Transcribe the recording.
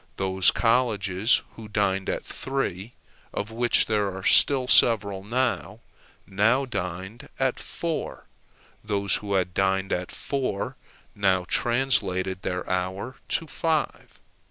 Those colleges who dined at three, of which there were still several, now dined at four; those who had dined at four, now translated their hour to five.